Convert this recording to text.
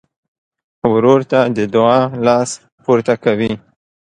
ورور ته د دعا لاس پورته کوي.